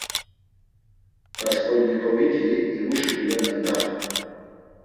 Rasǩolnikoviti himu şuǩule mendaxt̆u.